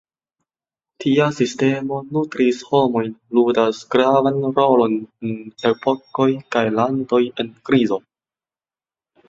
Tia sistemo nutri homojn ludas gravan rolon en epokoj kaj landoj en krizo.